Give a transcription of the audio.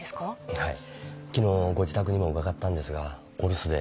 はい昨日ご自宅にも伺ったんですがお留守で。